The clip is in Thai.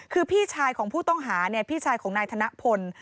คือพี่ชายของผู้ต้องหาพี่ชายของนายธนพล